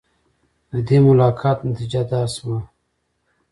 د دې ملاقات نتیجه دا شوه.